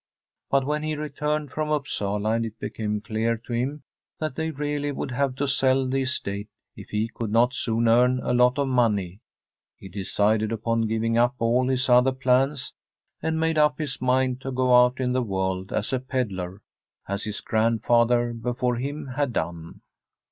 Btit when he returned from Upsala, and it became clear to him that they really would have to sell the estate if he could not soon earn a lot of money, he decided upon giving up all his other plans, and made up his mind to go out into the world as a pedlar, as his grand father before him had done.